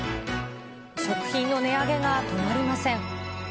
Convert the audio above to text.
食品の値上げが止まりません。